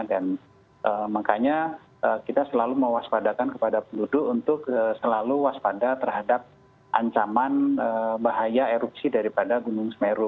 dan makanya kita selalu mewaspadakan kepada penduduk untuk selalu waspada terhadap ancaman bahaya erupsi daripada gunung semeru